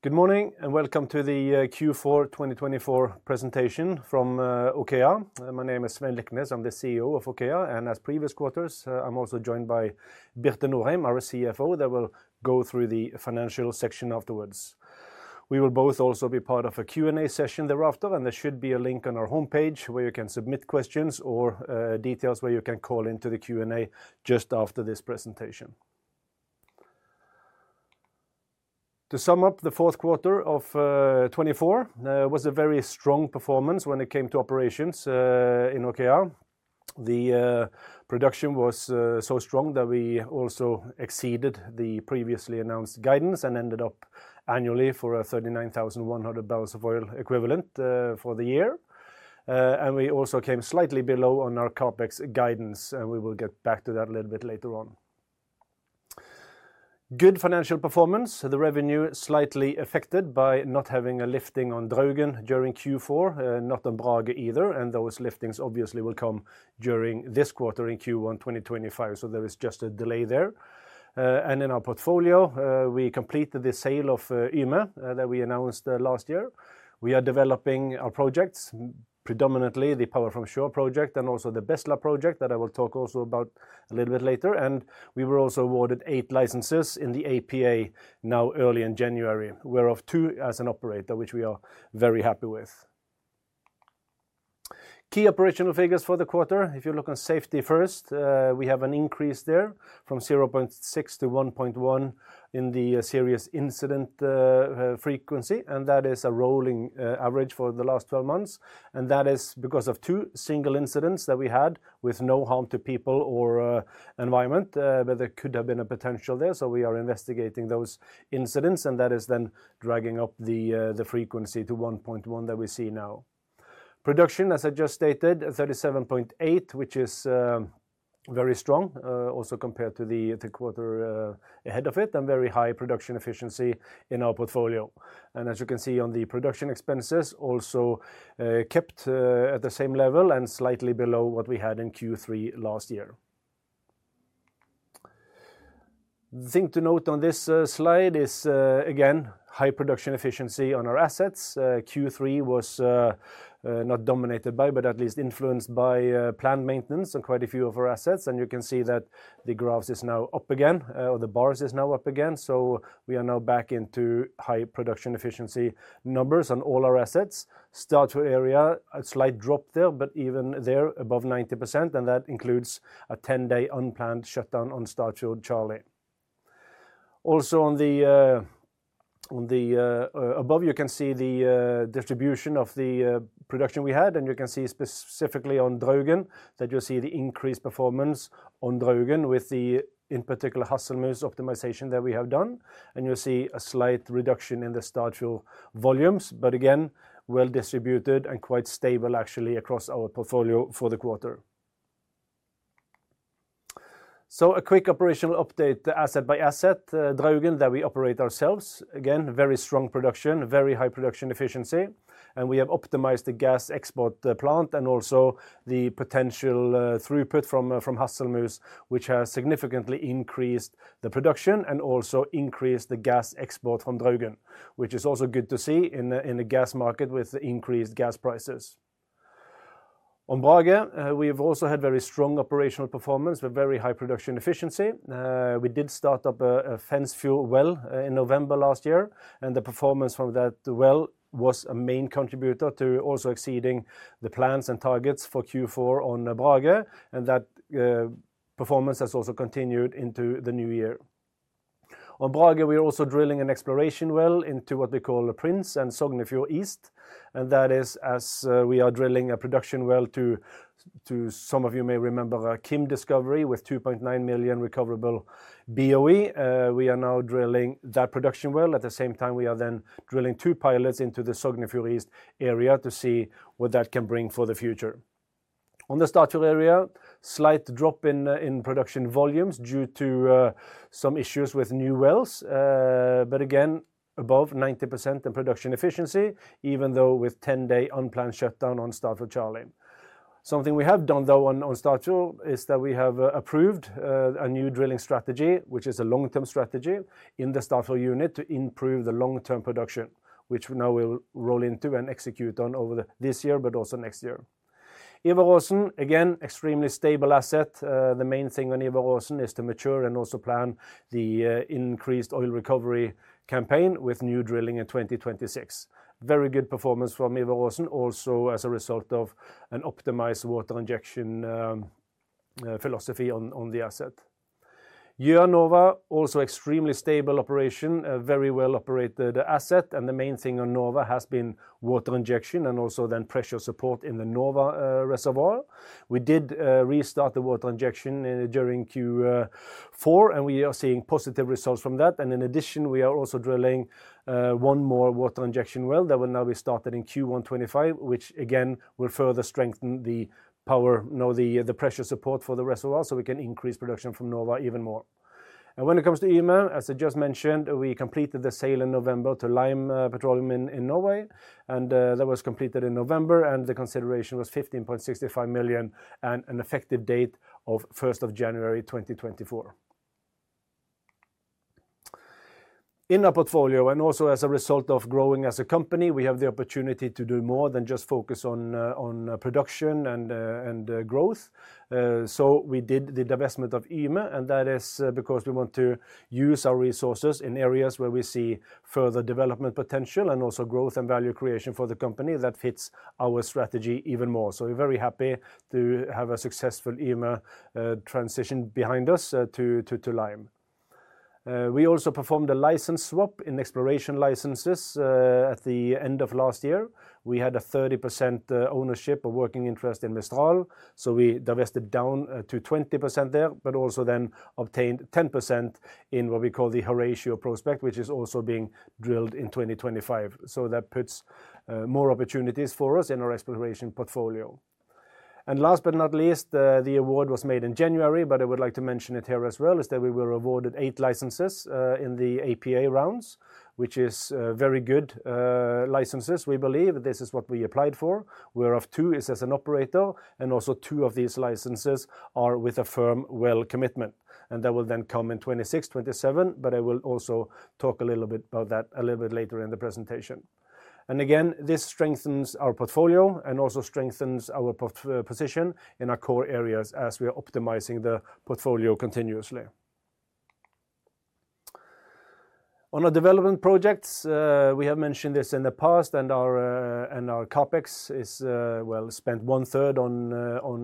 Good morning and welcome to the Q4 2024 presentation from OKEA. My name is Svein Liknes. I'm the CEO of OKEA, and as previous quarters, I'm also joined by Birte Norheim, our CFO. They will go through the financial section afterwards. We will both also be part of a Q&A session thereafter, and there should be a link on our homepage where you can submit questions or details where you can call into the Q&A just after this presentation. To sum up, the fourth quarter of 2024 was a very strong performance when it came to operations in OKEA. The production was so strong that we also exceeded the previously announced guidance and ended up annually for 39,100 barrels of oil equivalent for the year, and we also came slightly below on our CAPEX guidance, and we will get back to that a little bit later on. Good financial performance. The revenue slightly affected by not having a lifting on Draugen during Q4, not on Brage either. And those liftings obviously will come during this quarter in Q1 2025. So there is just a delay there. And in our portfolio, we completed the sale of Yme that we announced last year. We are developing our projects, predominantly the Power from Shore project and also the Bestla project that I will talk also about a little bit later. And we were also awarded eight licenses in the APA now early in January, whereof two as an operator, which we are very happy with. Key operational figures for the quarter. If you look on safety first, we have an increase there from 0.6 to 1.1 in the serious incident frequency, and that is a rolling average for the last 12 months. And that is because of two single incidents that we had with no harm to people or environment, but there could have been a potential there. So we are investigating those incidents, and that is then dragging up the frequency to 1.1 that we see now. Production, as I just stated, 37.8, which is very strong also compared to the quarter ahead of it and very high production efficiency in our portfolio. And as you can see on the production expenses, also kept at the same level and slightly below what we had in Q3 last year. The thing to note on this slide is, again, high production efficiency on our assets. Q3 was not dominated by, but at least influenced by plant maintenance on quite a few of our assets. And you can see that the graph is now up again, or the bars is now up again. So we are now back into high production efficiency numbers on all our assets. Statfjord area, a slight drop there, but even there above 90%, and that includes a 10-day unplanned shutdown on Statfjord C. Also on the above, you can see the distribution of the production we had, and you can see specifically on Draugen that you'll see the increased performance on Draugen with the, in particular, Hasselmus optimization that we have done. And you'll see a slight reduction in the Statfjord volumes, but again, well distributed and quite stable actually across our portfolio for the quarter. So a quick operational update, asset by asset, Draugen that we operate ourselves. Again, very strong production, very high production efficiency, and we have optimized the gas export plant and also the potential throughput from Hasselmus, which has significantly increased the production and also increased the gas export from Draugen, which is also good to see in the gas market with the increased gas prices. On Brage, we have also had very strong operational performance with very high production efficiency. We did start up a Fensfjord well in November last year, and the performance from that well was a main contributor to also exceeding the plans and targets for Q4 on Brage, and that performance has also continued into the new year. On Brage, we are also drilling an exploration well into what we call Prins and Sognefjord East, and that is as we are drilling a production well to, some of you may remember, a Kim discovery with 2.9 million recoverable BOE. We are now drilling that production well. At the same time, we are then drilling two pilots into the Sognefjord East area to see what that can bring for the future. On the Statfjord area, slight drop in production volumes due to some issues with new wells, but again, above 90% in production efficiency, even though with 10-day unplanned shutdown on Statfjord C. Something we have done though on Statfjord is that we have approved a new drilling strategy, which is a long-term strategy in the Statfjord unit to improve the long-term production, which now we'll roll into and execute on over this year, but also next year. Aasen, again, extremely stable asset. The main thing on Ivar Aasen is to mature and also plan the increased oil recovery campaign with new drilling in 2026. Very good performance from Ivar Aasen, also as a result of an optimized water injection philosophy on the asset. Gjøa, also extremely stable operation, a very well operated asset, and the main thing on Nova has been water injection and also then pressure support in the Nova reservoir. We did restart the water injection during Q4, and we are seeing positive results from that. And in addition, we are also drilling one more water injection well that will now be started in Q1 2025, which again will further strengthen the power, the pressure support for the reservoir so we can increase production from Nova even more. When it comes to Yme, as I just mentioned, we completed the sale in November to Lime Petroleum in Norway, and that was completed in November, and the consideration was 15.65 million and an effective date of 1st of January 2024. In our portfolio, and also as a result of growing as a company, we have the opportunity to do more than just focus on production and growth. So we did the divestment of Yme, and that is because we want to use our resources in areas where we see further development potential and also growth and value creation for the company that fits our strategy even more. So we're very happy to have a successful Yme transition behind us to Lime. We also performed a license swap in exploration licenses at the end of last year. We had a 30% ownership or working interest in Mistral, so we divested down to 20% there, but also then obtained 10% in what we call the Horatio prospect, which is also being drilled in 2025. So that puts more opportunities for us in our exploration portfolio. And last but not least, the award was made in January, but I would like to mention it here as well, is that we were awarded eight licenses in the APA rounds, which is very good licenses. We believe this is what we applied for, whereof two is as an operator, and also two of these licenses are with a firm well commitment, and that will then come in 2026, 2027, but I will also talk a little bit about that a little bit later in the presentation. And again, this strengthens our portfolio and also strengthens our position in our core areas as we are optimizing the portfolio continuously. On our development projects, we have mentioned this in the past, and our CAPEX is, well, spent one third on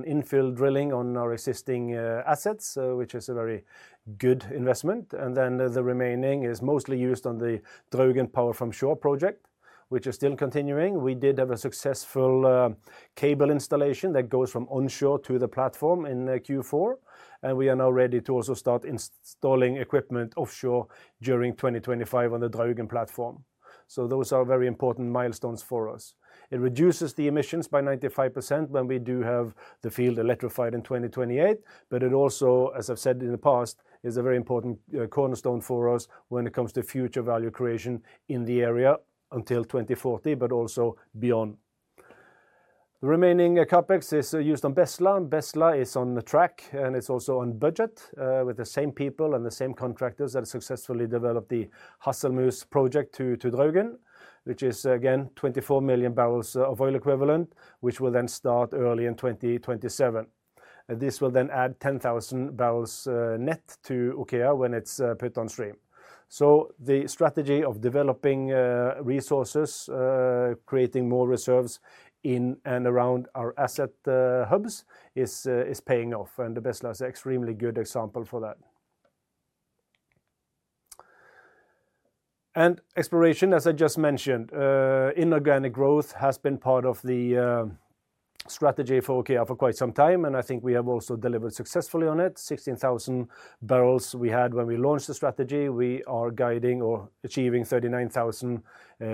infill drilling on our existing assets, which is a very good investment. And then the remaining is mostly used on the Draugen Power from Shore project, which is still continuing. We did have a successful cable installation that goes from onshore to the platform in Q4, and we are now ready to also start installing equipment offshore during 2025 on the Draugen platform. So those are very important milestones for us. It reduces the emissions by 95% when we do have the field electrified in 2028, but it also, as I've said in the past, is a very important cornerstone for us when it comes to future value creation in the area until 2040, but also beyond. The remaining CAPEX is used on Bestla. Bestla is on track, and it's also on budget with the same people and the same contractors that successfully developed the Hasselmus project to Draugen, which is again 24 million barrels of oil equivalent, which will then start early in 2027. And this will then add 10,000 barrels net to OKEA when it's put on stream. So the strategy of developing resources, creating more reserves in and around our asset hubs is paying off, and Bestla is an extremely good example for that. And exploration, as I just mentioned, inorganic growth has been part of the strategy for OKEA for quite some time, and I think we have also delivered successfully on it. 16,000 barrels we had when we launched the strategy. We are guiding or achieving 39,000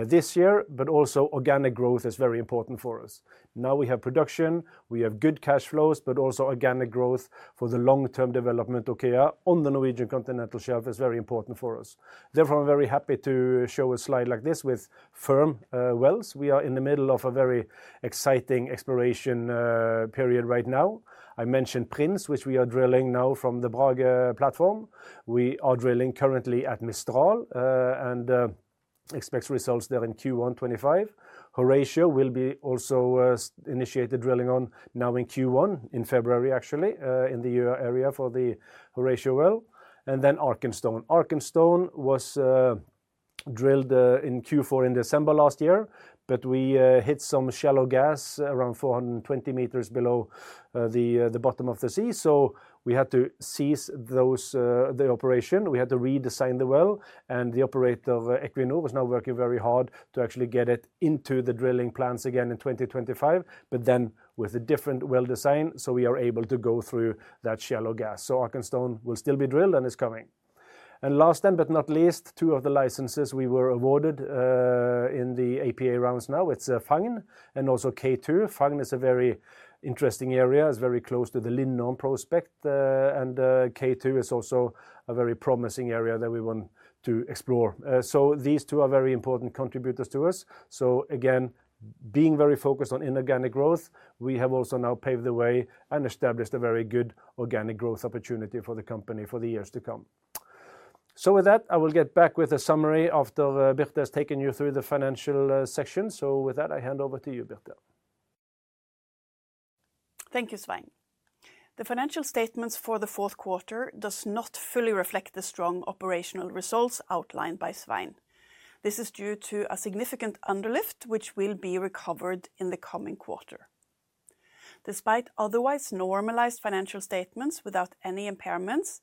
this year, but also organic growth is very important for us. Now we have production, we have good cash flows, but also organic growth for the long-term development OKEA on the Norwegian Continental Shelf is very important for us. Therefore, I'm very happy to show a slide like this with firm wells. We are in the middle of a very exciting exploration period right now. I mentioned Prins, which we are drilling now from the Brage platform. We are drilling currently at Mistral and expect results there in Q1 2025. Horatio will be also initiated drilling on now in Q1 in February, actually, in the Gjøa area for the Horatio well. And then Arkenstone. Arkenstone was drilled in Q4 in December last year, but we hit some shallow gas around 420 meters below the bottom of the sea. So we had to cease the operation. We had to redesign the well, and the operator, Equinor, was now working very hard to actually get it into the drilling plan again in 2025, but then with a different well design, so we are able to go through that shallow gas. So Arkenstone will still be drilled and is coming. And last and but not least, two of the licenses we were awarded in the APA rounds now, it's Fagn and also K2. Fagn is a very interesting area. It's very close to the Linorm prospect, and K2 is also a very promising area that we want to explore. So these two are very important contributors to us. So again, being very focused on inorganic growth, we have also now paved the way and established a very good organic growth opportunity for the company for the years to come. So with that, I will get back with a summary after Birte has taken you through the financial section. So with that, I hand over to you, Birte. Thank you, Svein. The financial statements for the fourth quarter do not fully reflect the strong operational results outlined by Svein. This is due to a significant underlift, which will be recovered in the coming quarter. Despite otherwise normalized financial statements without any impairments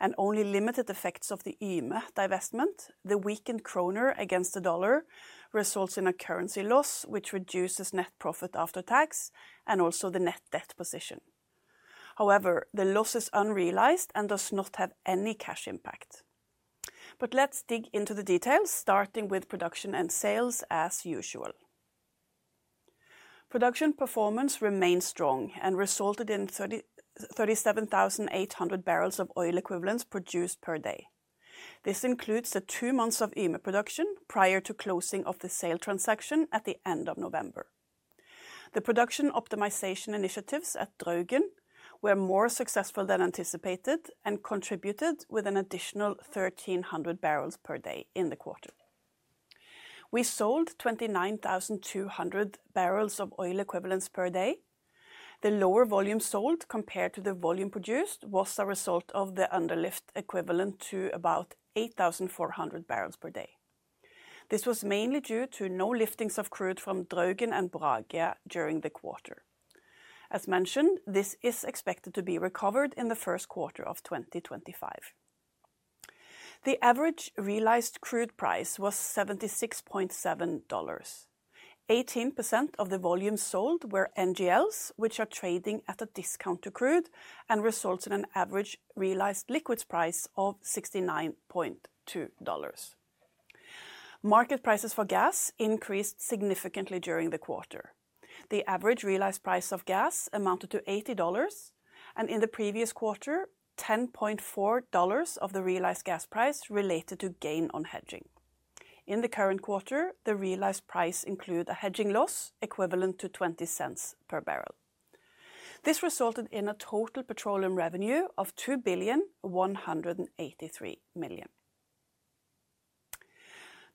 and only limited effects of the Yme divestment, the weakened kroner against the dollar results in a currency loss, which reduces net profit after tax and also the net debt position. However, the loss is unrealized and does not have any cash impact. But let's dig into the details, starting with production and sales as usual. Production performance remained strong and resulted in 37,800 barrels of oil equivalents produced per day. This includes the two months of Yme production prior to closing of the sale transaction at the end of November. The production optimization initiatives at Draugen were more successful than anticipated and contributed with an additional 1,300 barrels per day in the quarter. We sold 29,200 barrels of oil equivalents per day. The lower volume sold compared to the volume produced was a result of the underlift equivalent to about 8,400 barrels per day. This was mainly due to no liftings of crude from Draugen and Brage during the quarter. As mentioned, this is expected to be recovered in the first quarter of 2025. The average realized crude price was $76.7. 18% of the volume sold were NGLs, which are trading at a discount to crude and results in an average realized liquids price of $69.2. Market prices for gas increased significantly during the quarter. The average realized price of gas amounted to $80, and in the previous quarter, $10.4 of the realized gas price related to gain on hedging. In the current quarter, the realized price includes a hedging loss equivalent to $0.20 per barrel. This resulted in a total petroleum revenue of $2,183 million.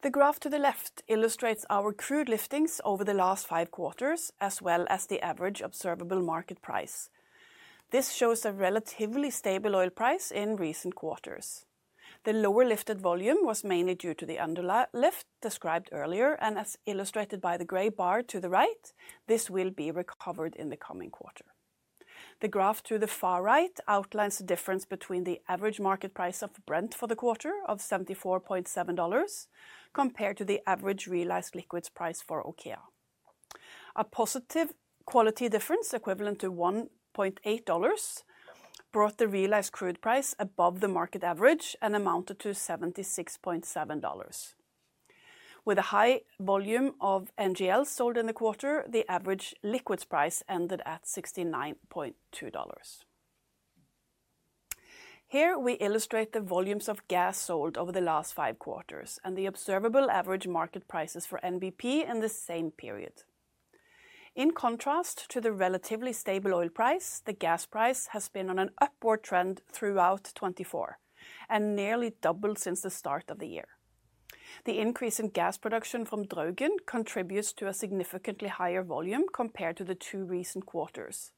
The graph to the left illustrates our crude liftings over the last five quarters, as well as the average observable market price. This shows a relatively stable oil price in recent quarters. The lower lifted volume was mainly due to the underlift described earlier, and as illustrated by the gray bar to the right, this will be recovered in the coming quarter. The graph to the far right outlines the difference between the average market price of Brent for the quarter of $74.7 compared to the average realized liquids price for OKEA. A positive quality difference equivalent to $1.8 brought the realized crude price above the market average and amounted to $76.7. With a high volume of NGLs sold in the quarter, the average liquids price ended at $69.2. Here we illustrate the volumes of gas sold over the last five quarters and the observable average market prices for NBP in the same period. In contrast to the relatively stable oil price, the gas price has been on an upward trend throughout 2024 and nearly doubled since the start of the year. The increase in gas production from Draugen contributes to a significantly higher volume compared to the two recent quarters,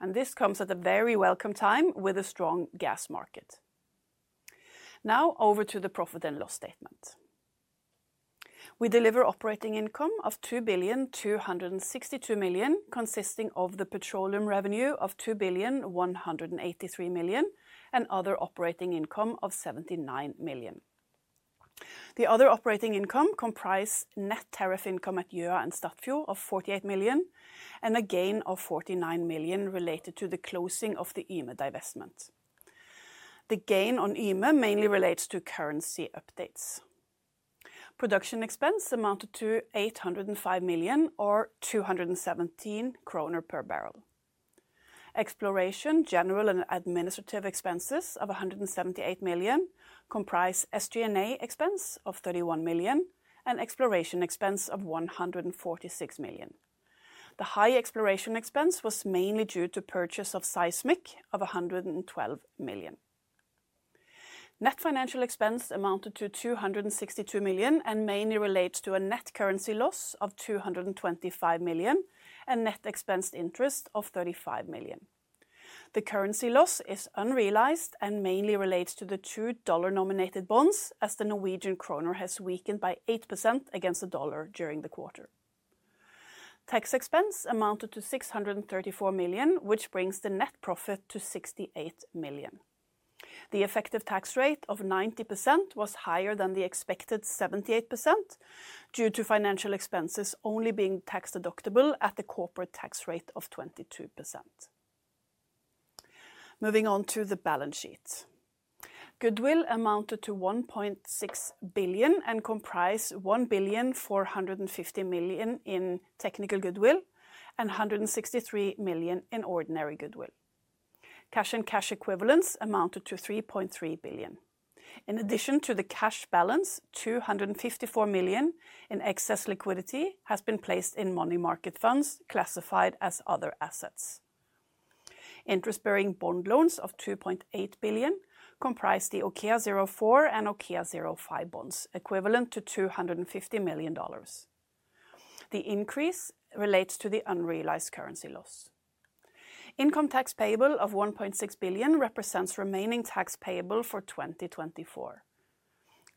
and this comes at a very welcome time with a strong gas market. Now over to the profit and loss statement. We deliver operating income of $2,262 million, consisting of the petroleum revenue of $2,183 million and other operating income of $79 million. The other operating income comprises net tariff income at Gjøa and Statfjord of $48 million and a gain of $49 million related to the closing of the Yme divestment. The gain on Yme mainly relates to currency updates. Production expense amounted to $805 million or 217 kroner per barrel. Exploration, general and administrative expenses of $178 million comprise SG&A expense of $31 million and exploration expense of $146 million. The high exploration expense was mainly due to purchase of seismic of $112 million. Net financial expense amounted to $262 million and mainly relates to a net currency loss of $225 million and net expensed interest of $35 million. The currency loss is unrealized and mainly relates to the $2 nominated bonds as the Norwegian kroner has weakened by 8% against the dollar during the quarter. Tax expense amounted to $634 million, which brings the net profit to $68 million. The effective tax rate of 90% was higher than the expected 78% due to financial expenses only being tax deductible at the corporate tax rate of 22%. Moving on to the balance sheet. Goodwill amounted to $1.6 billion and comprised $1,450 million in technical goodwill and $163 million in ordinary goodwill. Cash and cash equivalents amounted to $3.3 billion. In addition to the cash balance, $254 million in excess liquidity has been placed in money market funds classified as other assets. Interest-bearing bond loans of $2.8 billion comprise the OKEA04 and OKEA05 bonds equivalent to $250 million. The increase relates to the unrealized currency loss. Income tax payable of $1.6 billion represents remaining tax payable for 2024.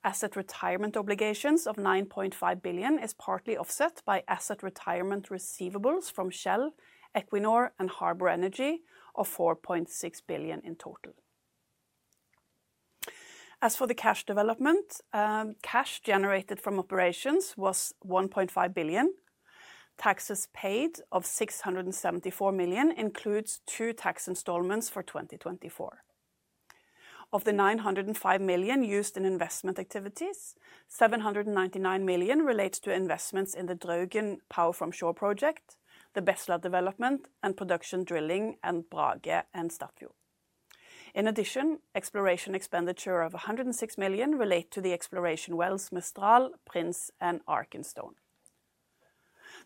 Asset retirement obligations of $9.5 billion is partly offset by asset retirement receivables from Shell, Equinor and Harbour Energy of $4.6 billion in total. As for the cash development, cash generated from operations was $1.5 billion. Taxes paid of $674 million includes two tax installments for 2024. Of the $905 million used in investment activities, $799 million relates to investments in the Draugen Power from Shore project, the Bestla development and production drilling and Brage and Statfjord. In addition, exploration expenditure of $106 million relates to the exploration wells Mistral, Prins, and Arkenstone.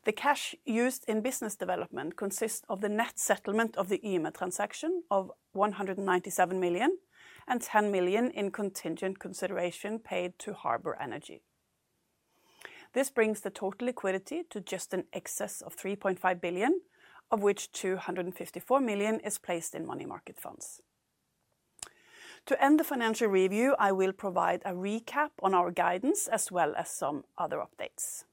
The cash used in business development consists of the net settlement of the Yme transaction of $197 million and $10 million in contingent consideration paid to Harbour Energy. This brings the total liquidity to just an excess of $3.5 billion, of which $254 million is placed in money market funds. To end the financial review, I will provide a recap on our guidance as well as some other updates.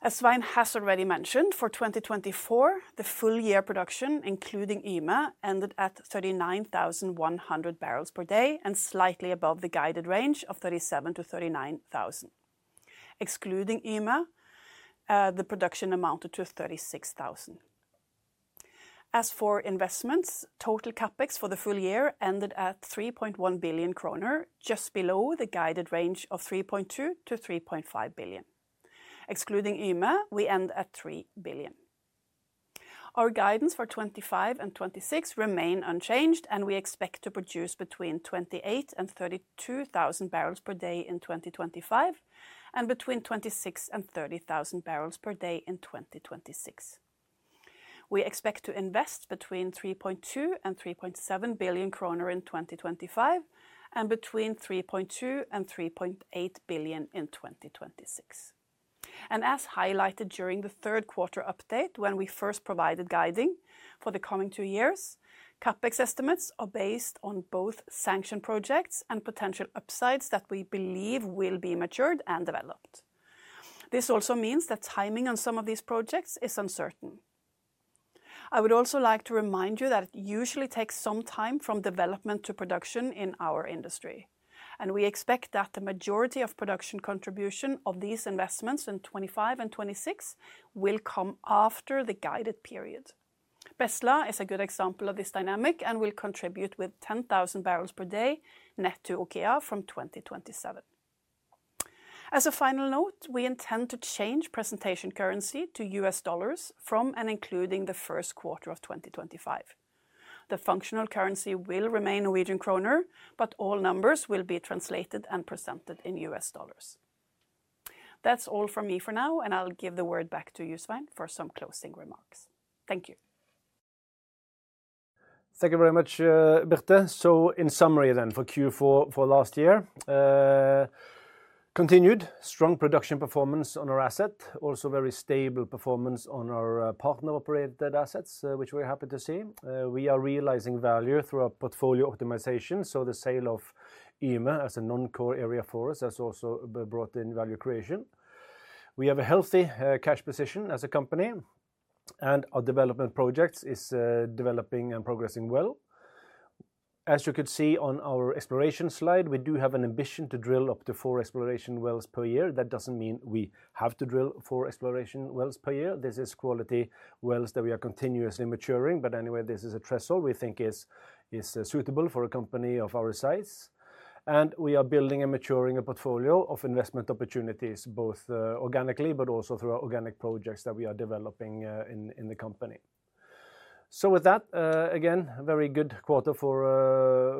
As Svein has already mentioned, for 2024, the full year production, including Yme, ended at 39,100 barrels per day and slightly above the guided range of 37,000 to 39,000. Excluding Yme, the production amounted to 36,000. As for investments, total CAPEX for the full year ended at 3.1 billion kroner, just below the guided range of 3.2-3.5 billion. Excluding Yme, we end at 3 billion. Our guidance for 2025 and 2026 remains unchanged, and we expect to produce between 28,000 and 32,000 barrels per day in 2025 and between 26,000 and 30,000 barrels per day in 2026. We expect to invest between 3.2-3.7 billion kroner in 2025 and between 3.2-3.8 billion in 2026. And as highlighted during the third quarter update when we first provided guidance for the coming two years, CAPEX estimates are based on both sanctioned projects and potential upsides that we believe will be matured and developed. This also means that timing on some of these projects is uncertain. I would also like to remind you that it usually takes some time from development to production in our industry, and we expect that the majority of production contribution of these investments in 2025 and 2026 will come after the guided period. Bestla is a good example of this dynamic and will contribute with 10,000 barrels per day net to OKEA from 2027. As a final note, we intend to change presentation currency to US dollars from and including the first quarter of 2025. The functional currency will remain Norwegian kroner, but all numbers will be translated and presented in US dollars. That's all from me for now, and I'll give the word back to you, Svein, for some closing remarks. Thank you. Thank you very much, Birte. In summary then for Q4 for last year, continued strong production performance on our asset, also very stable performance on our partner-operated assets, which we're happy to see. We are realizing value through our portfolio optimization. So the sale of Yme as a non-core area for us has also brought in value creation. We have a healthy cash position as a company, and our development projects are developing and progressing well. As you could see on our exploration slide, we do have an ambition to drill up to four exploration wells per year. That doesn't mean we have to drill four exploration wells per year. This is quality wells that we are continuously maturing. But anyway, this is a threshold we think is suitable for a company of our size. We are building and maturing a portfolio of investment opportunities, both organically but also through our organic projects that we are developing in the company. So with that, again, a very good quarter for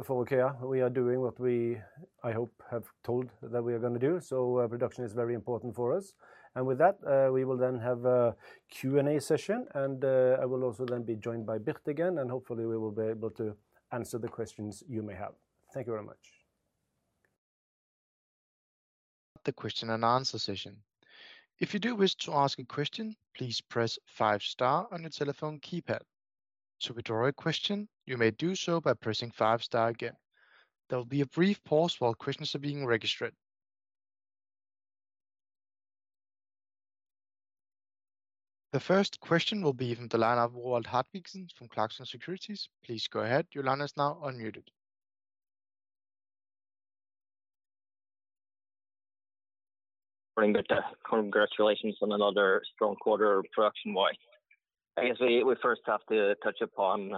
OKEA. We are doing what we, I hope, have told that we are going to do. So production is very important for us. And with that, we will then have a Q&A session, and I will also then be joined by Birte again, and hopefully we will be able to answer the questions you may have. Thank you very much. The question and answer session. If you do wish to ask a question, please press five star on your telephone keypad. To withdraw a question, you may do so by pressing five star again. There will be a brief pause while questions are being registered. The first question will be from the line of Roald Hartvigsen from Clarksons Securities. Please go ahead. Your line is now unmuted. Morning, Birte. Congratulations on another strong quarter production-wise. I guess we first have to touch upon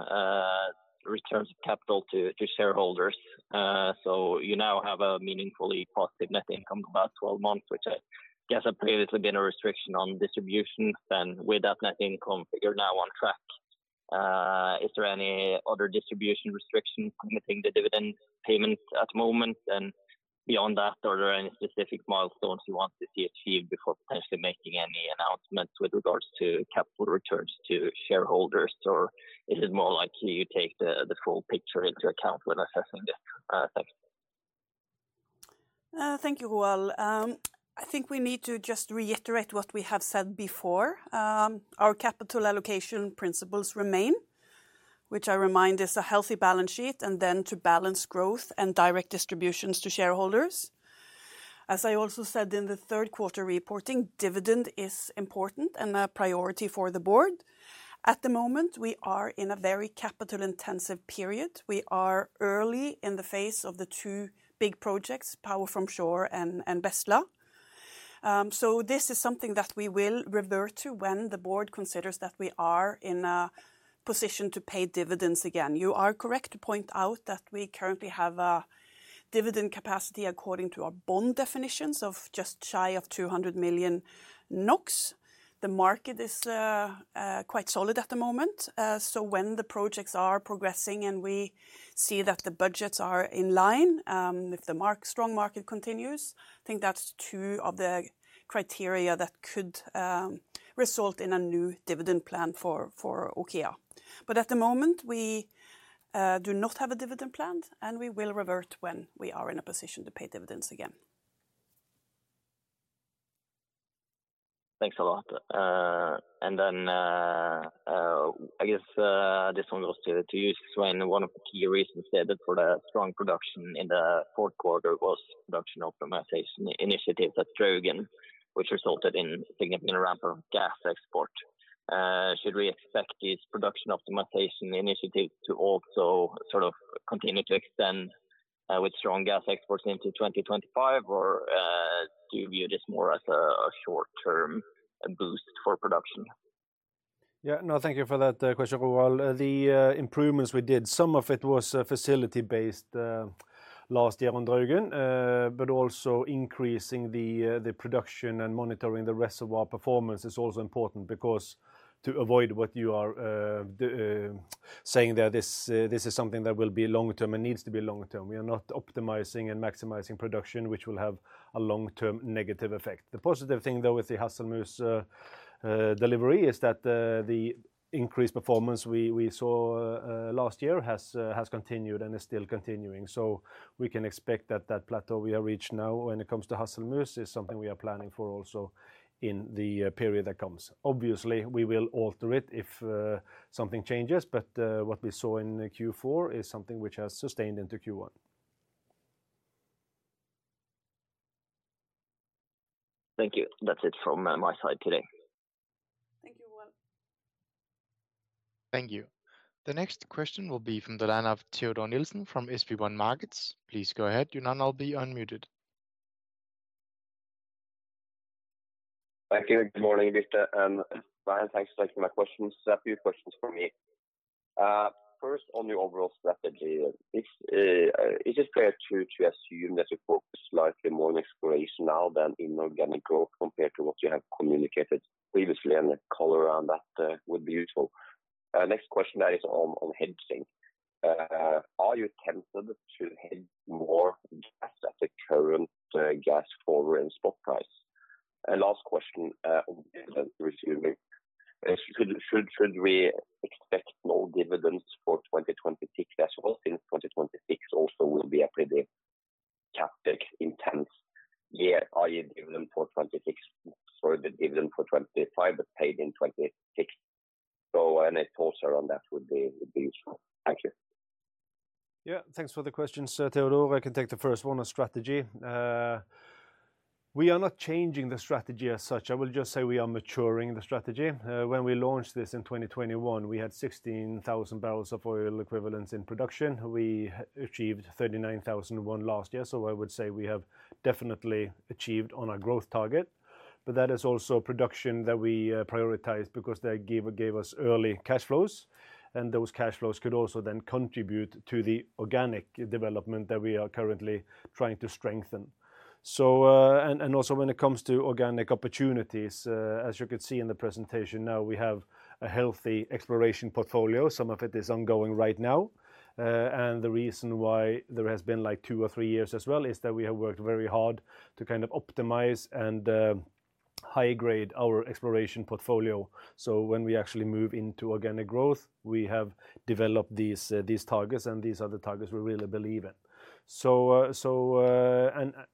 returns of capital to shareholders. So you now have a meaningfully positive net income for about 12 months, which I guess has previously been a restriction on distribution. Then with that net income, you're now on track. Is there any other distribution restrictions limiting the dividend payments at the moment? And beyond that, are there any specific milestones you want to see achieved before potentially making any announcements with regards to capital returns to shareholders? Or is it more likely you take the full picture into account when assessing this? Thanks. Thank you, Roald. I think we need to just reiterate what we have said before. Our capital allocation principles remain, which I remind is a healthy balance sheet, and then to balance growth and direct distributions to shareholders. As I also said in the third quarter reporting, dividend is important and a priority for the board. At the moment, we are in a very capital-intensive period. We are early in the phase of the two big projects, Power from Shore and Bestla. So this is something that we will revert to when the board considers that we are in a position to pay dividends again. You are correct to point out that we currently have a dividend capacity according to our bond definitions of just shy of 200 million NOK. The market is quite solid at the moment. So when the projects are progressing and we see that the budgets are in line, if the strong market continues, I think that's two of the criteria that could result in a new dividend plan for OKEA. But at the moment, we do not have a dividend plan, and we will revert when we are in a position to pay dividends again. Thanks a lot. And then I guess this one goes to you, Svein. One of the key reasons stated for the strong production in the fourth quarter was production optimization initiatives at Draugen, which resulted in significant ramp up gas export. Should we expect these production optimization initiatives to also sort of continue to extend with strong gas exports into 2025, or do you view this more as a short-term boost for production? Yeah, no, thank you for that question, Roald. The improvements we did, some of it was facility-based last year on Draugen, but also increasing the production and monitoring the reservoir performance is also important because to avoid what you are saying there, this is something that will be long-term and needs to be long-term. We are not optimizing and maximizing production, which will have a long-term negative effect. The positive thing, though, with the Hasselmus delivery is that the increased performance we saw last year has continued and is still continuing. So we can expect that that plateau we have reached now when it comes to Hasselmus is something we are planning for also in the period that comes. Obviously, we will alter it if something changes, but what we saw in Q4 is something which has sustained into Q1. Thank you. That's it from my side today. Thank you, Roald. Thank you. The next question will be from the line of Teodor Sveen-Nilsen from SpareBank 1 Markets. Please go ahead. You'll now be unmuted. Thank you. Good morning, Birte. And Ryan, thanks for taking my questions. A few questions for me. First, on your overall strategy, is it fair to assume that you focus slightly more on exploration now than in organic growth compared to what you have communicated previously? And the color around that would be useful. Next question there is on hedging. Are you tempted to hedge more gas at the current gas forward and spot price? And last question on dividend resuming. Should we expect no dividends for 2026 as well since 2026 also will be a pretty CapEx-intense year? Are you dividend for 2026, sorry, dividend for 2025 but paid in 2026? So any thoughts around that would be useful. Thank you. Yeah, thanks for the questions, Teodor. I can take the first one on strategy. We are not changing the strategy as such. I will just say we are maturing the strategy. When we launched this in 2021, we had 16,000 barrels of oil equivalents in production. We achieved 39,001 last year. So I would say we have definitely achieved on our growth target. But that is also production that we prioritized because that gave us early cash flows. And those cash flows could also then contribute to the organic development that we are currently trying to strengthen. And also when it comes to organic opportunities, as you could see in the presentation now, we have a healthy exploration portfolio. Some of it is ongoing right now. And the reason why there has been like two or three years as well is that we have worked very hard to kind of optimize and high-grade our exploration portfolio. So when we actually move into organic growth, we have developed these targets and these are the targets we really believe in.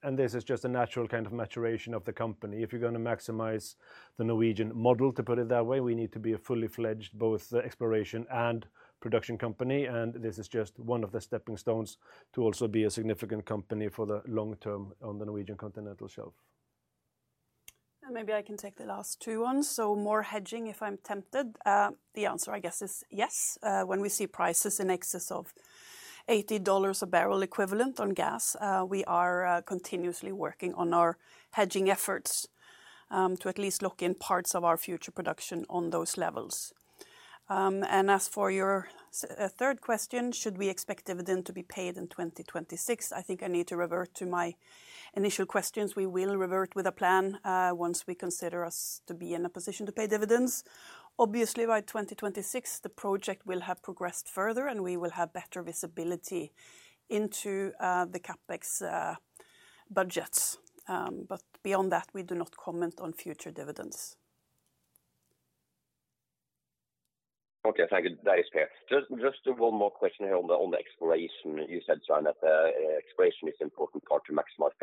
And this is just a natural kind of maturation of the company. If you're going to maximize the Norwegian model, to put it that way, we need to be a fully fledged both exploration and production company. And this is just one of the stepping stones to also be a significant company for the long term on the Norwegian Continental Shelf. And maybe I can take the last two ones. So more hedging if I'm tempted. The answer, I guess, is yes. When we see prices in excess of $80 a barrel equivalent on gas, we are continuously working on our hedging efforts to at least lock in parts of our future production on those levels. As for your third question, should we expect dividend to be paid in 2026? I think I need to revert to my initial questions. We will revert with a plan once we consider us to be in a position to pay dividends. Obviously, by 2026, the project will have progressed further and we will have better visibility into the CapEx budgets. But beyond that, we do not comment on future dividends. Okay, thank you. That is fair. Just one more question here on the exploration. You said, Svein, that the exploration is an important part to maximize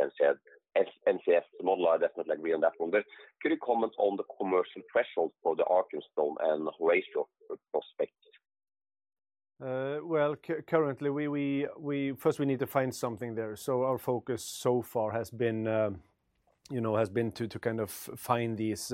NCS model. I definitely agree on that one. But could you comment on the commercial threshold for the Arkenstone and Horatio prospects? Well, currently, first, we need to find something there. So our focus so far has been to kind of find these,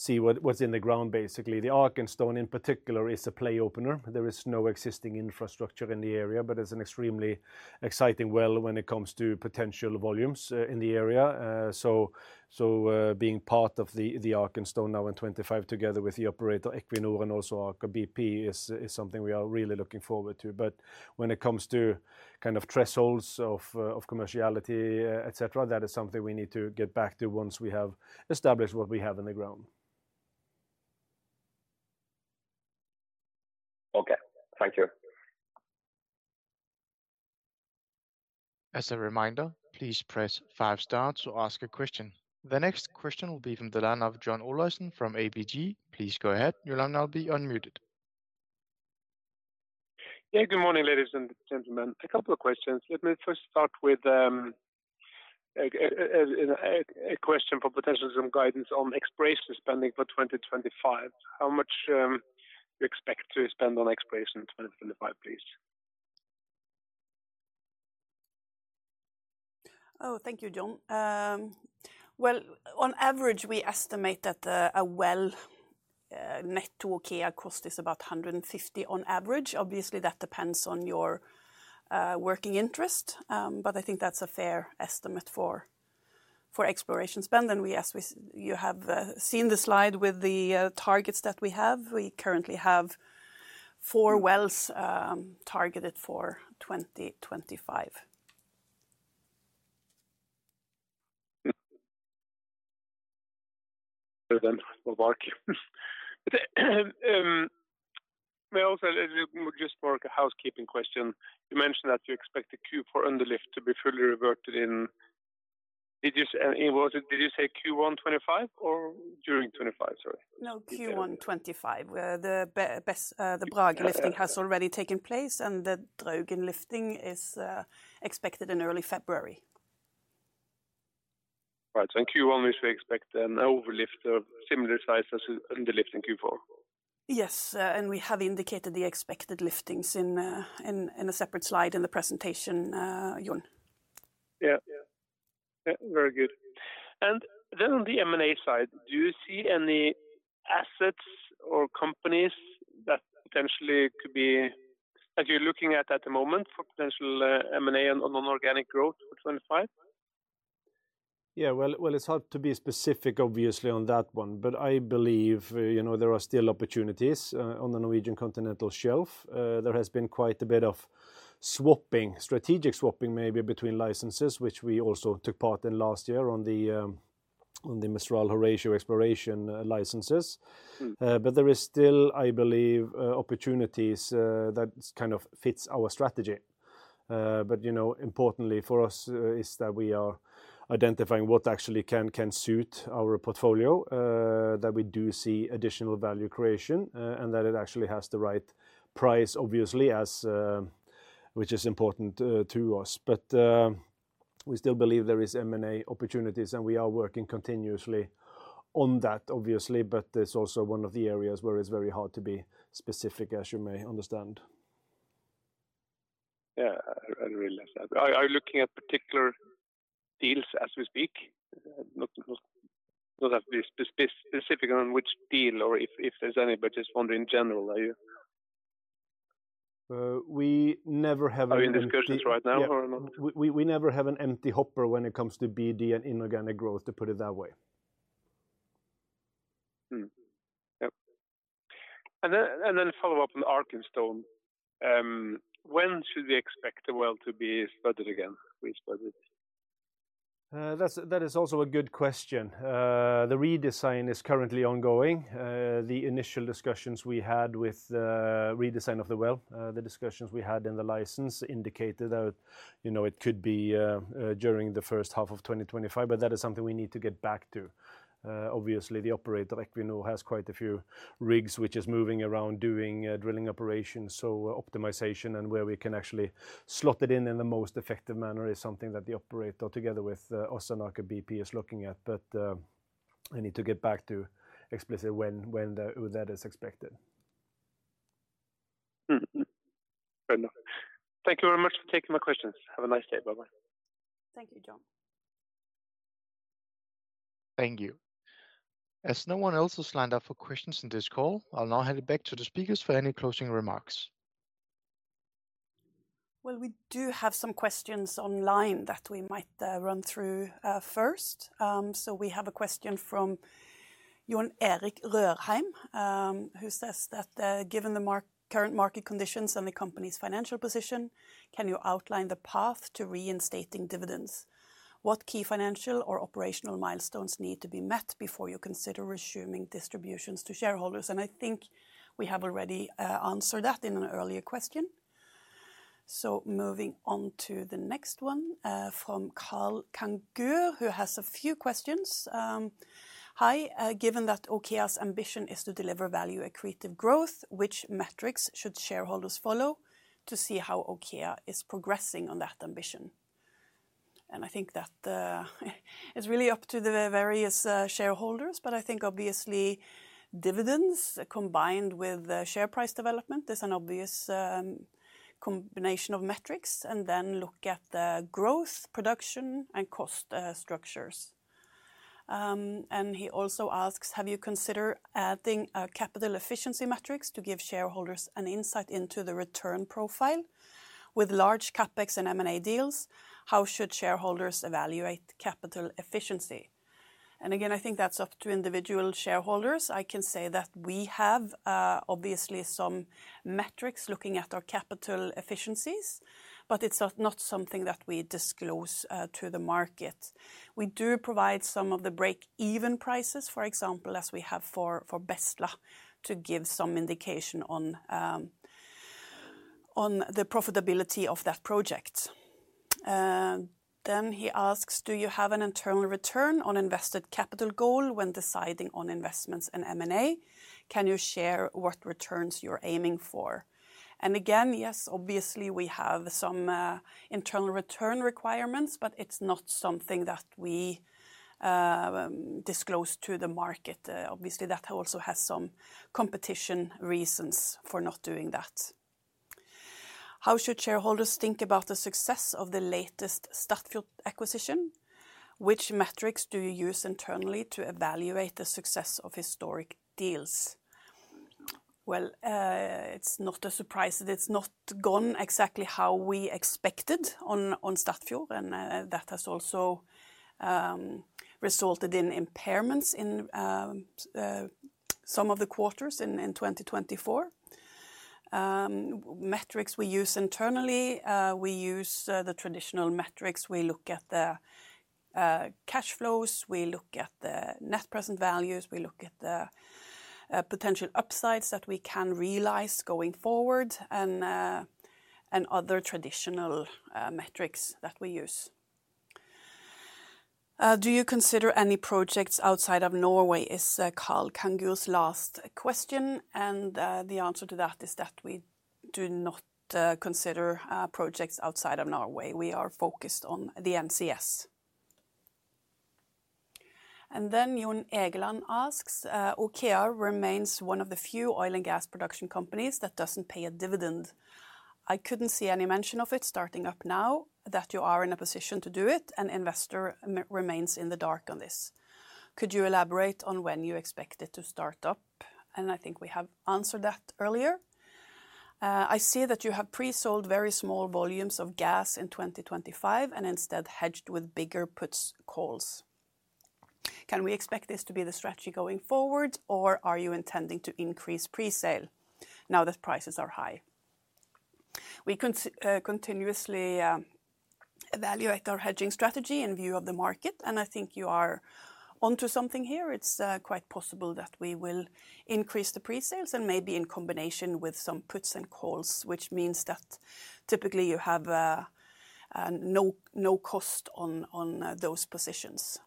see what's in the ground, basically. The Arkenstone in particular is a play opener. There is no existing infrastructure in the area, but it's an extremely exciting well when it comes to potential volumes in the area. So being part of the Arkenstone now in 25 together with the operator Equinor and also Aker BP is something we are really looking forward to. But when it comes to kind of thresholds of commerciality, etc., that is something we need to get back to once we have established what we have in the ground. Okay, thank you. As a reminder, please press five star to ask a question. The next question will be from the line of John Olaisen from ABG. Please go ahead. Your line will be unmuted. Yeah, good morning, ladies and gentlemen. A couple of questions. Let me first start with a question for preliminary guidance on exploration spending for 2025. How much do you expect to spend on exploration in 2025, please? Oh, thank you, John. Well, on average, we estimate that a well-net to OKEA cost is about 150 on average. Obviously, that depends on your working interest. But I think that's a fair estimate for exploration spend. And as you have seen the slide with the targets that we have, we currently have four wells targeted for 2025. Svein, on Arkenstone. May I also just mark a housekeeping question? You mentioned that you expect the Q4 underlift to be fully reverted in. Did you say Q1 2025 or during 2025? Sorry. No, Q1 2025. The Brage lifting has already taken place and the Draugen lifting is expected in early February. Right. So in Q1, we should expect an overlift of similar size as underlift in Q4. Yes. And we have indicated the expected liftings in a separate slide in the presentation, Jon. Yeah. Very good. And then on the M&A side, do you see any assets or companies that potentially could be that you're looking at at the moment for potential M&A on non-organic growth for 25? Yeah, well, it's hard to be specific, obviously, on that one, but I believe there are still opportunities on the Norwegian Continental Shelf. There has been quite a bit of swapping, strategic swapping maybe between licenses, which we also took part in last year on the Mistral Horatio exploration licenses. But there is still, I believe, opportunities that kind of fit our strategy. But importantly for us is that we are identifying what actually can suit our portfolio, that we do see additional value creation and that it actually has the right price, obviously, which is important to us. But we still believe there are M&A opportunities and we are working continuously on that, obviously. But it's also one of the areas where it's very hard to be specific, as you may understand. Yeah, I really understand. Are you looking at particular deals as we speak? Not to be specific on which deal or if there's any, but just wondering in general, are you? We never have an empty hopper. Are we in discussions right now or not? We never have an empty hopper when it comes to BD and inorganic growth, to put it that way. Yep. And then follow up on Arkenstone. When should we expect the well to be studied again? That is also a good question. The redesign is currently ongoing. The initial discussions we had with redesign of the well, the discussions we had in the license indicated that it could be during the first half of 2025, but that is something we need to get back to. Obviously, the operator Equinor has quite a few rigs which are moving around doing drilling operations. So optimization and where we can actually slot it in in the most effective manner is something that the operator together with us and Aker BP is looking at. But I need to get back to explicitly when that is expected. Fair enough. Thank you very much for taking my questions. Have a nice day. Bye-bye. Thank you, John. Thank you. As no one else has lined up for questions in this call, I'll now hand it back to the speakers for any closing remarks. We do have some questions online that we might run through first. We have a question from John Erik Rørheim, who says that given the current market conditions and the company's financial position, can you outline the path to reinstating dividends? What key financial or operational milestones need to be met before you consider resuming distributions to shareholders? I think we have already answered that in an earlier question. Moving on to the next one from Karl Kangö, who has a few questions. Hi. Given that OKEA's ambition is to deliver value-accretive growth, which metrics should shareholders follow to see how OKEA is progressing on that ambition? I think that it's really up to the various shareholders, but I think obviously dividends combined with share price development is an obvious combination of metrics and then look at the growth, production, and cost structures. He also asks, have you considered adding capital efficiency metrics to give shareholders an insight into the return profile? With large CapEx and M&A deals, how should shareholders evaluate capital efficiency? Again, I think that's up to individual shareholders. I can say that we have obviously some metrics looking at our capital efficiencies, but it's not something that we disclose to the market. We do provide some of the break-even prices, for example, as we have for Bestla, to give some indication on the profitability of that project. He asks, do you have an internal return on invested capital goal when deciding on investments in M&A? Can you share what returns you're aiming for? Again, yes, obviously we have some internal return requirements, but it's not something that we disclose to the market. Obviously, that also has some competition reasons for not doing that. How should shareholders think about the success of the latest Statfjord acquisition? Which metrics do you use internally to evaluate the success of historic deals? It's not a surprise that it's not gone exactly how we expected on Statfjord, and that has also resulted in impairments in some of the quarters in 2024. Metrics we use internally, we use the traditional metrics. We look at the cash flows, we look at the net present values, we look at the potential upsides that we can realize going forward, and other traditional metrics that we use. Do you consider any projects outside of Norway? That's Karl Kangö's last question. The answer to that is that we do not consider projects outside of Norway. We are focused on the NCS. Then Jan Egeland asks, OKEA remains one of the few oil and gas production companies that doesn't pay a dividend. I couldn't see any mention of it starting up now that you are in a position to do it, and investor remains in the dark on this. Could you elaborate on when you expect it to start up? And I think we have answered that earlier. I see that you have pre-sold very small volumes of gas in 2025 and instead hedged with bigger puts and calls. Can we expect this to be the strategy going forward, or are you intending to increase presale now that prices are high? We continuously evaluate our hedging strategy in view of the market, and I think you are onto something here. It's quite possible that we will increase the presales and maybe in combination with some puts and calls, which means that typically you have no cost on those positions.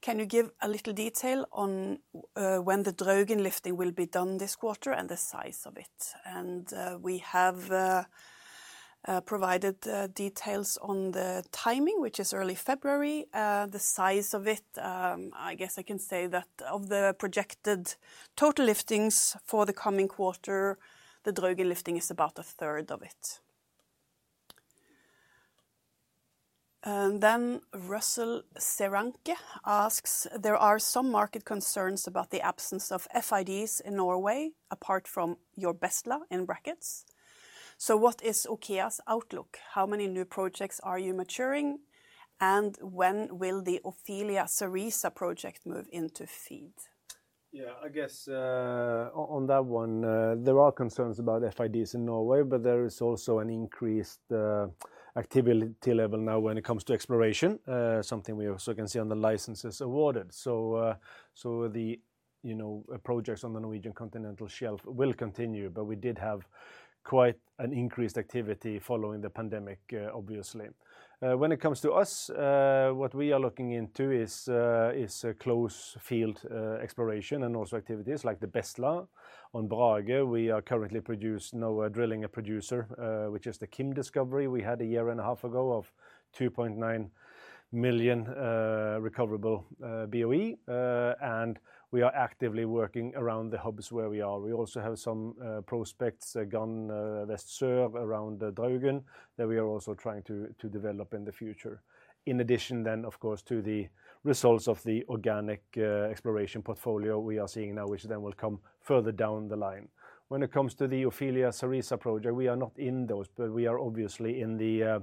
Can you give a little detail on when the Draugen lifting will be done this quarter and the size of it? We have provided details on the timing, which is early February. The size of it, I guess I can say that of the projected total liftings for the coming quarter, the Draugen lifting is about a third of it. Russell Searancke asks, there are some market concerns about the absence of FIDs in Norway, apart from your Bestla in brackets. What is OKEA's outlook? How many new projects are you maturing, and when will the Ofelia Kyrre project move into FEED? Yeah, I guess on that one, there are concerns about FIDs in Norway, but there is also an increased activity level now when it comes to exploration, something we also can see on the licenses awarded. So the projects on the Norwegian Continental Shelf will continue, but we did have quite an increased activity following the pandemic, obviously. When it comes to us, what we are looking into is near-field exploration and also activities like the Bestla on Brage. We are currently drilling a producer, which is the Kim discovery. We had a year and a half ago of 2.9 million recoverable BOE, and we are actively working around the hubs where we are. We also have some prospects, Hasselmus, around Draugen that we are also trying to develop in the future. In addition then, of course, to the results of the organic exploration portfolio we are seeing now, which then will come further down the line. When it comes to the Ofelia Kyrre project, we are not in those, but we are obviously in the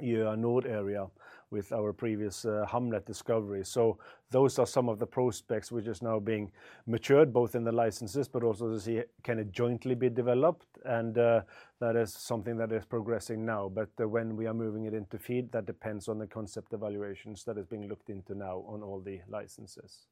Gjøa Nord area with our previous Hamlet discovery. So those are some of the prospects which are now being matured, both in the licenses, but also to see can it jointly be developed. And that is something that is progressing now. But when we are moving it into FEED, that depends on the concept evaluations that are being looked into now on all the licenses.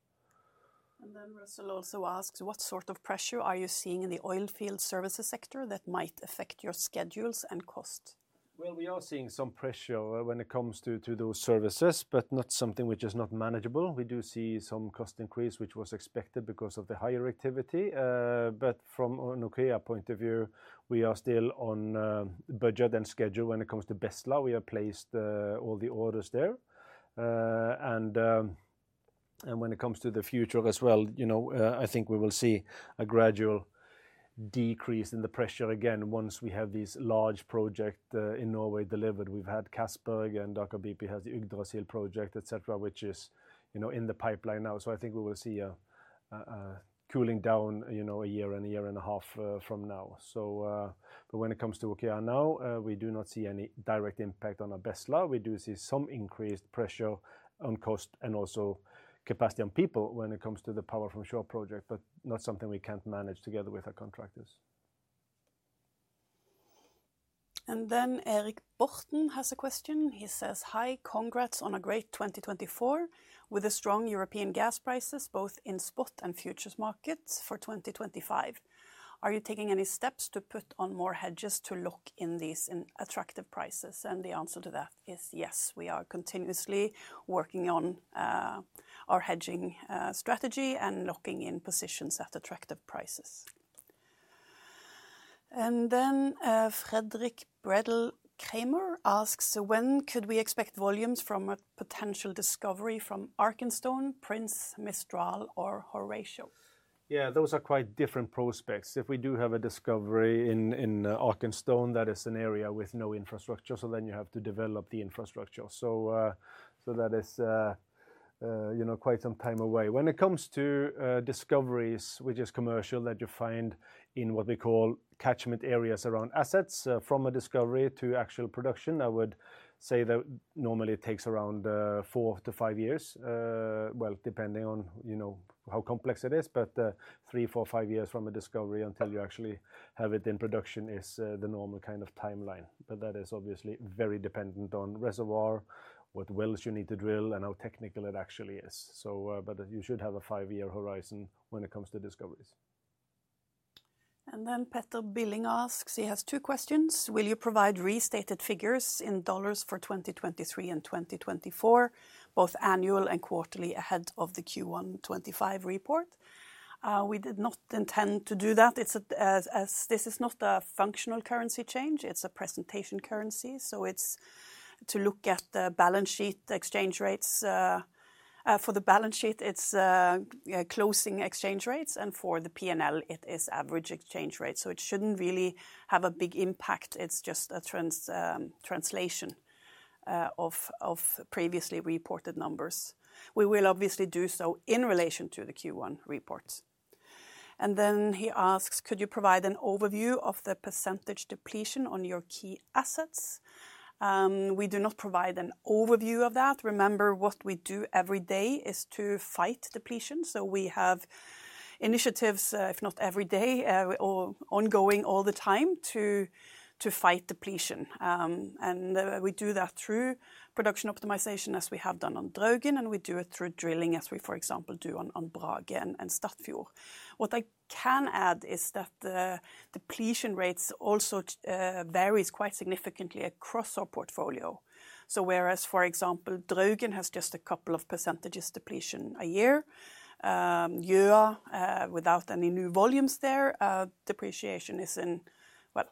And then Russell also asks, what sort of pressure are you seeing in the oil field services sector that might affect your schedules and cost? Well, we are seeing some pressure when it comes to those services, but not something which is not manageable. We do see some cost increase, which was expected because of the higher activity. But from an OKEA point of view, we are still on budget and schedule when it comes to Bestla. We have placed all the orders there. And when it comes to the future as well, I think we will see a gradual decrease in the pressure again once we have these large projects in Norway delivered. We've had Castberg and Aker BP has the Yggdrasil project, etc., which is in the pipeline now. So I think we will see a cooling down a year and a year and a half from now. But when it comes to OKEA now, we do not see any direct impact on our Bestla. We do see some increased pressure on cost and also capacity on people when it comes to the Power from Shore project, but not something we can't manage together with our contractors. And then Erik Borten has a question. He says, "Hi, congrats on a great 2024 with strong European gas prices, both in spot and futures markets for 2025. Are you taking any steps to put on more hedges to lock in these attractive prices?" And the answer to that is yes. We are continuously working on our hedging strategy and locking in positions at attractive prices. And then Fredrik Bredal-Kramer asks, "When could we expect volumes from a potential discovery from Arkenstone, Prins, Mistral, or Horatio?" Yeah, those are quite different prospects. If we do have a discovery in Arkenstone, that is an area with no infrastructure. So then you have to develop the infrastructure. So that is quite some time away. When it comes to discoveries, which is commercial that you find in what we call catchment areas around assets from a discovery to actual production, I would say that normally it takes around four to five years, well, depending on how complex it is, but three, four, five years from a discovery until you actually have it in production is the normal kind of timeline. But that is obviously very dependent on reservoir, what wells you need to drill, and how technical it actually is. But you should have a five-year horizon when it comes to discoveries. Then Peter Billing asks, he has two questions. Will you provide restated figures in dollars for 2023 and 2024, both annual and quarterly ahead of the Q1 2025 report? We did not intend to do that. This is not a functional currency change. It is a presentation currency. It's to look at the balance sheet exchange rates. For the balance sheet, it's closing exchange rates. For the P&L, it is average exchange rate. It shouldn't really have a big impact. It's just a translation of previously reported numbers. We will obviously do so in relation to the Q1 reports. Then he asks, could you provide an overview of the percentage depletion on your key assets? We do not provide an overview of that. Remember, what we do every day is to fight depletion. We have initiatives, if not every day, ongoing all the time to fight depletion. We do that through production optimization as we have done on Draugen, and we do it through drilling as we, for example, do on Brage and Statfjord. What I can add is that depletion rates also vary quite significantly across our portfolio. So whereas, for example, Draugen has just a couple of percentages depletion a year. Or without any new volumes there, depletion is in, well,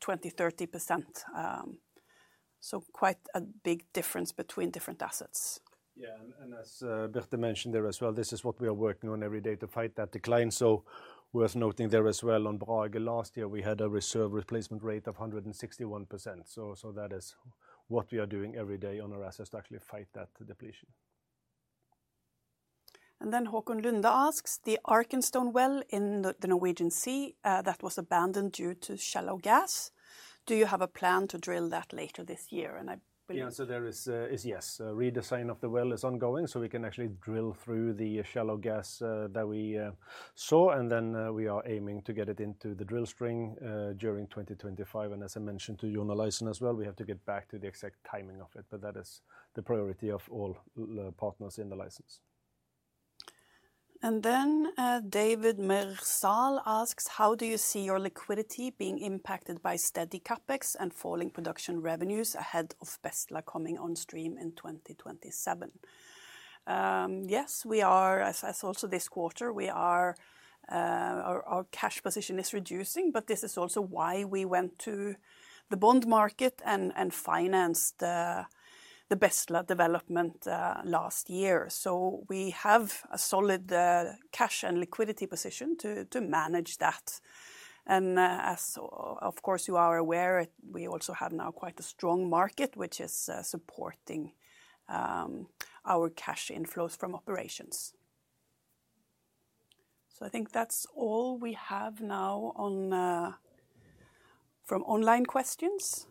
20-30%. So quite a big difference between different assets. Yeah, and as Birte mentioned there as well, this is what we are working on every day to fight that decline. So worth noting there as well on Brage, last year we had a reserve replacement rate of 161%. So that is what we are doing every day on our assets to actually fight that depletion. And then Håkon Lunde asks, the Arkenstone well in the Norwegian Sea that was abandoned due to shallow gas, do you have a plan to drill that later this year? And I will. The answer there is yes. Redesign of the well is ongoing so we can actually drill through the shallow gas that we saw. And then we are aiming to get it into the drill string during 2025. And as I mentioned to John Olaisen as well, we have to get back to the exact timing of it, but that is the priority of all partners in the license. And then David Mirzajani asks, how do you see your liquidity being impacted by steady CapEx and falling production revenues ahead of Bestla coming on stream in 2027? Yes, we are, as also this quarter, our cash position is reducing, but this is also why we went to the bond market and financed the Bestla development last year. So we have a solid cash and liquidity position to manage that. And as of course you are aware, we also have now quite a strong market which is supporting our cash inflows from operations. So I think that's all we have now from online questions.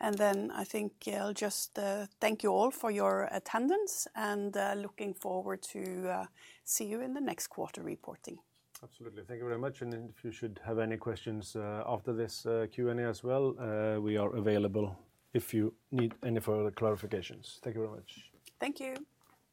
And then I think I'll just thank you all for your attendance and looking forward to see you in the next quarter reporting. Absolutely. Thank you very much. And if you should have any questions after this Q&A as well, we are available if you need any further clarifications. Thank you very much. Thank you.